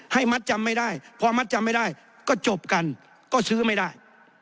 มัดจำไม่ได้พอมัดจำไม่ได้ก็จบกันก็ซื้อไม่ได้